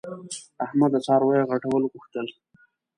احمد د څارویو غټول غوښتل.